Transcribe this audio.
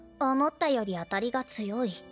⁉思ったより当たりが強い。